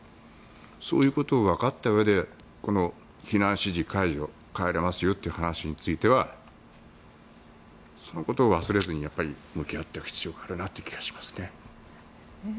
そういうことを分かったうえでこの避難指示解除帰れますよという話についてはそのことを忘れずに向き合う必要があるなと思いますね。